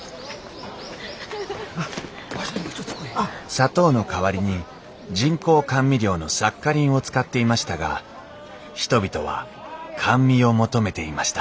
砂糖の代わりに人工甘味料のサッカリンを使っていましたが人々は甘味を求めていました